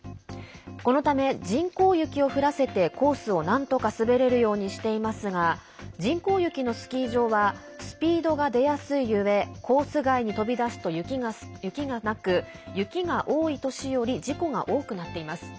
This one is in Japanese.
このため、人工雪を降らせてコースをなんとか滑れるようにしていますが人工雪のスキー場はスピードが出やすいゆえコース外に飛び出すと雪がなく雪が多い年より事故が多くなっています。